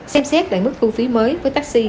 xem xét về mức thu phí mới với taxi